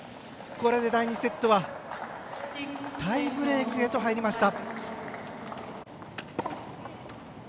これで第２セットはタイブレークへと入りました。